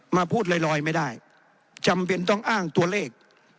มาพูดลอยไม่ได้จำเป็นต้องอ้างตัวเลข